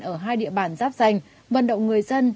ở hai địa bàn giáp danh vận động người dân